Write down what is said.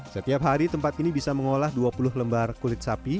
setiap hari tempat ini bisa mengolah dua puluh lembar kulit sapi